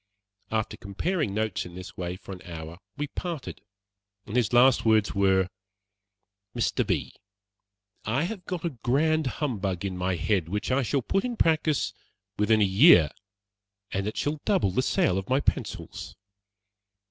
After comparing notes in this way for an hour, we parted, and his last words were: "Mr. B., I have got a grand humbug in my head, which I shall put in practice within a year, and it shall double the sale of my pencils.